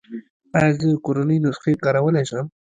ایا زه کورنۍ نسخې کارولی شم؟